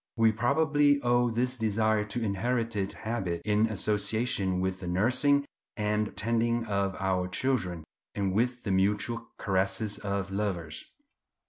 We probably owe this desire to inherited habit, in association with the nursing and tending of our children, and with the mutual caresses of lovers.